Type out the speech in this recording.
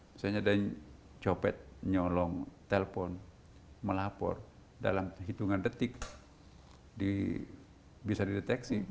misalnya ada yang copet nyolong telpon melapor dalam hitungan detik bisa dideteksi